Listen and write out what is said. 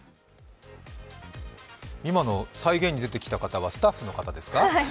今の再現に出てきた方はスタッフの方ですか？